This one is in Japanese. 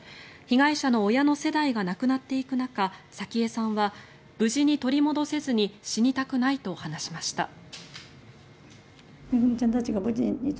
被害者の親の世代が亡くなっていく中、早紀江さんは無事に取り戻せずに死にたくないと話しました。